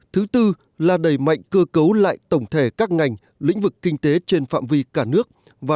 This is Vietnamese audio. thứ tư là đẩy mạnh cơ cấu lại tổng thể các ngành lĩnh vực kinh tế trên phạm vi cả nước